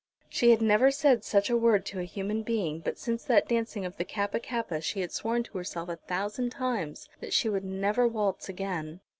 She had never said such a word to a human being, but since that dancing of the Kappa kappa she had sworn to herself a thousand times that she would never waltz again.